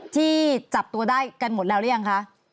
ที่จับตัวได้กันหมดละได้ยังคะ